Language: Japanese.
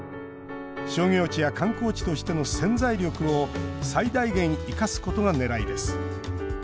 商業地や観光地としての潜在力を最大限、生かすことがねらいです。